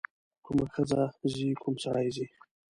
کومه ښځه ځي کوم سړی ځي.